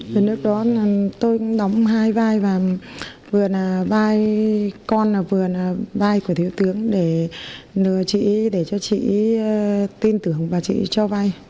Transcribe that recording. với nước đó tôi đóng hai vai vừa là vai con vừa là vai của thiếu tướng để cho chị tin tưởng và chị cho vai